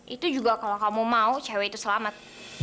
itu juga kalau kamu mau cewek itu selamat